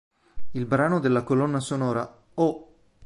Il brano della colonna sonora "Oh!